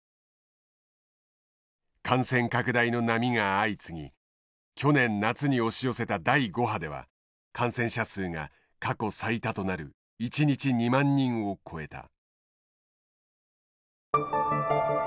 感染拡大の波が相次ぎ去年夏に押し寄せた第５波では感染者数が過去最多となる一日２万人を超えた。